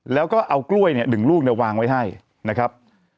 แล้วก็เอากล้วยเนี่ย๑ลูกวางไว้ให้นะครับ